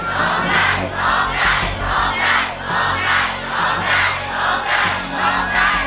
โครงให้โครงให้